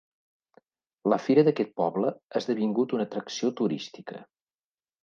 La fira d'aquest poble ha esdevingut una atracció turística.